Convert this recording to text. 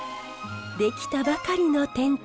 出来たばかりのてん茶。